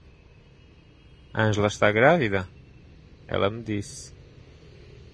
Angela está grávida? ela me disse.